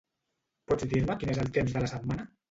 Pots dir-me quin és el temps de la setmana?